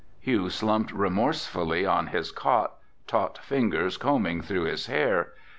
Hugh slumped remorsefully on his cot, taut fingers combing through his hair.